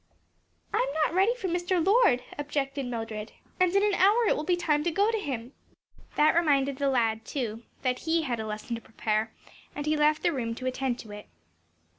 "I'm not ready for Mr. Lord," objected Mildred, "and in an hour it will be time to go to him." That reminded the lad that he, too, had a lesson to prepare, and he left the room to attend to it.